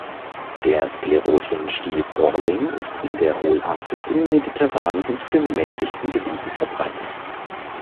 Der Sklerotien-Stielporling ist in der Holarktis in mediterranen und gemäßigten Gebieten verbreitet.